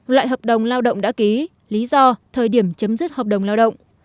loại hợp đồng lao động đã ký lý do thời điểm chấm dứt hợp đồng lao động